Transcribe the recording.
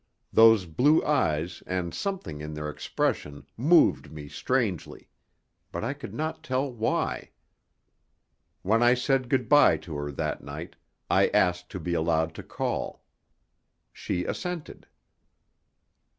Those blue eyes and something in their expression moved me strangely; but I could not tell why. When I said good bye to her that night, I asked to be allowed to call. She assented.